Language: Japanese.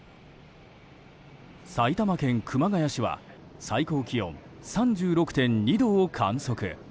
埼玉県熊谷市は最高気温３６．２度を観測。